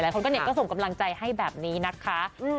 หลายคนก็ส่งกำลังใจให้แบบนี้นะคะ